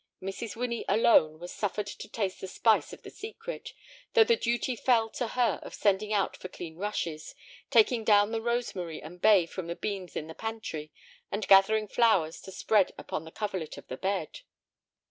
Mrs. Winnie alone was suffered to taste the spice in the secret, though the duty fell to her of sending out for clean rushes, taking down the rosemary and bay from the beams in the pantry, and gathering flowers to spread upon the coverlet of the bed.